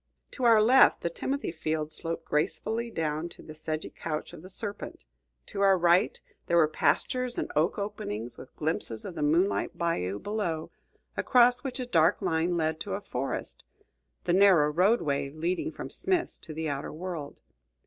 To our left, the timothy field sloped gracefully down to the sedgy couch of the serpent; to our right, there were pastures and oak openings, with glimpses of the moonlit bayou below, across which a dark line led to a forest, the narrow roadway leading from Smith's to the outer world.